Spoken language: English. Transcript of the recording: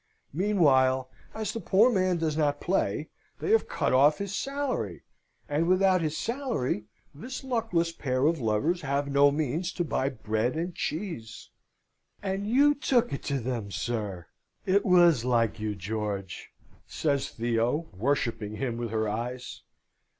Meanwhile, as the poor man does not play, they have cut off his salary; and without his salary, this luckless pair of lovers have no means to buy bread and cheese." "And you took it to them, sir? It was like you, George!" says Theo, worshipping him with her eyes.